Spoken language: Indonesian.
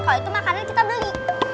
kalau itu makanan kita beli